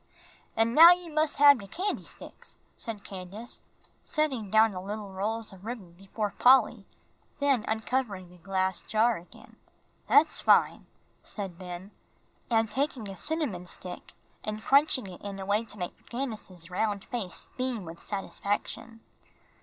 "An' now you mus' hab de candy sticks," said Candace, setting down the little rolls of ribbon before Polly, then uncovering the glass jar again. "That's fine," said Ben, taking a cinnamon stick and crunching it in a way to make Candace's round face beam with satisfaction.